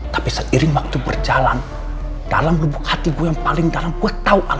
tapi seiring waktu berjalan dalam lubuk hati gue yang paling dalam gue tahu